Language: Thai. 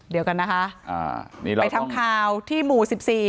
เดี๋ยวกันนะคะไปทำข่าวที่หมู่๑๔